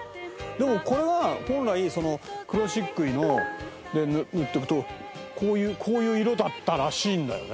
でもこれは本来黒漆喰で塗っていくとこういう色だったらしいんだよね。